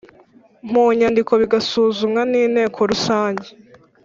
Mu nyandiko bigasuzumwa n inama rusange